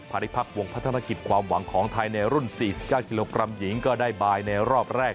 พักวงพัฒนกิจความหวังของไทยในรุ่น๔๙กิโลกรัมหญิงก็ได้บายในรอบแรก